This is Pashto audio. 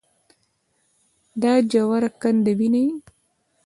دا ژوره کنده وينې.